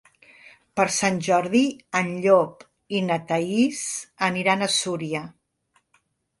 Per Sant Jordi en Llop i na Thaís aniran a Súria.